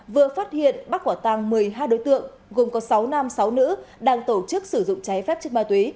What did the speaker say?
vừa phát hiện bắt quả tàng một mươi hai đối tượng gồm có sáu nam sáu nữ đang tổ chức sử dụng cháy phép chất ma túy